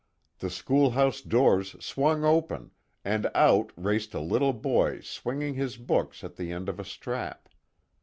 The schoolhouse doors swung open and out raced a little boy swinging his books on the end of a strap.